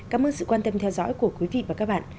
cảm ơn sự quan tâm theo dõi của quý vị và các bạn